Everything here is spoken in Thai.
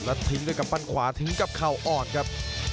แล้วทิ้งด้วยกำปั้นขวาทิ้งกับเข่าอ่อนครับ